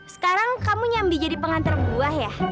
sekarang kamu nyambi jadi pengantar buah ya